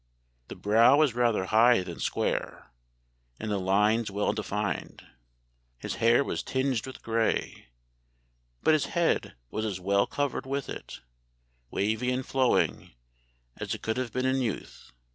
The brow was rather high than square, and the lines well defined. His hair was tinged with gray, but his head was as well covered with it wavy and flowing as it could have been in youth.